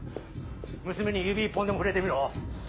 娘に指一本でも触れてみろ。